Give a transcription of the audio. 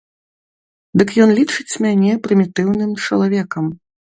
Дык ён лічыць мяне прымітыўным чалавекам.